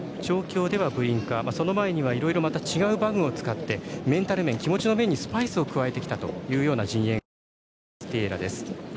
その前には、いろいろ違う馬具を使ってメンタル面気持ちの面にスパイスを加えてきたというような話を陣営が話しているタスティエーラです。